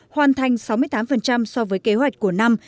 hoàn thành sáu mươi tám so với kế hoạch của năm